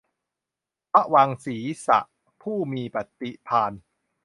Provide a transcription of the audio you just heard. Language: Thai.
พระวังคีสะ ผู้มีปฏิภาณ